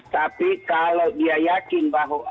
tapi kalau dia yakin bahwa